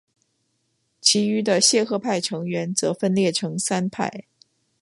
其余的谢赫派成员则分裂成三派。